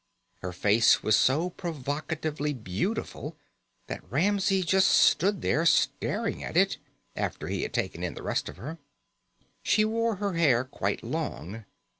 Her face was so provocatively beautiful that Ramsey just stood there staring at it after he had taken in the rest of her. She wore her hair quite long.